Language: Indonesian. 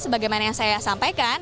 sebagaimana yang saya sampaikan